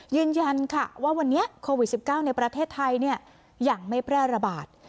ยืนยันค่ะว่าวันนี้โควิด๑๙ในประเทศไทยยังไม่แพร่ระบาด